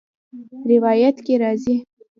روايت کي راځي :